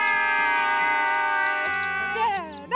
せの！